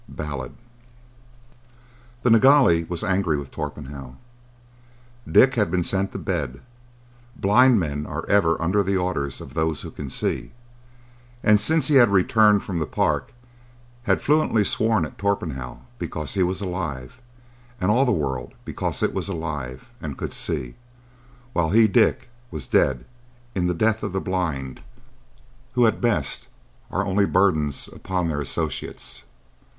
—Ballad. The Nilghai was angry with Torpenhow. Dick had been sent to bed,—blind men are ever under the orders of those who can see,—and since he had returned from the Park had fluently sworn at Torpenhow because he was alive, and all the world because it was alive and could see, while he, Dick, was dead in the death of the blind, who, at the best, are only burdens upon their associates.